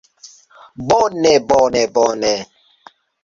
Bone... bone... bone...